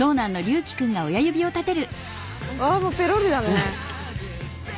ああもうペロリだね！